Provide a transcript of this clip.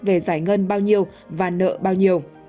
về giải ngân bao nhiêu và nợ bao nhiêu